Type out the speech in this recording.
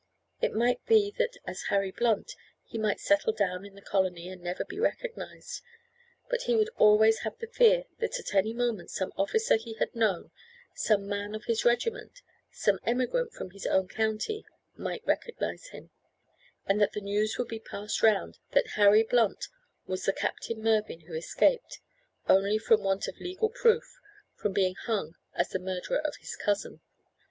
It might be that as Harry Blunt he might settle down in the Colony and never be recognised; but he would always have the fear that at any moment some officer he had known, some man of his regiment, some emigrant from his own county, might recognise him, and that the news would be passed round that Harry Blunt was the Captain Mervyn who escaped, only from want of legal proof, from being hung as the murderer of his cousin.